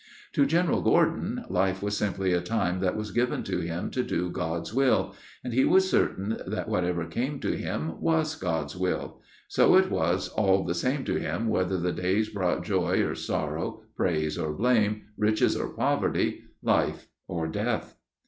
To General Gordon life was simply a time that was given to him to do God's will and he was certain that whatever came to him was God's will so it was all the same to him whether the days brought joy or sorrow, praise or blame, riches or poverty, life or death.